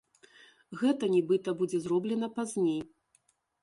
Гэта нібыта будзе зроблена пазней.